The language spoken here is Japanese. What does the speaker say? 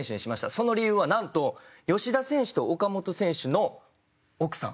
その理由はなんと吉田選手と岡本選手の奥さん